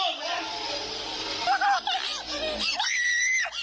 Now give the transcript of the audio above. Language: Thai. จริงอันนี้น้องก็อยู่เจ็ดเจ้าพี่น้องมากับหนู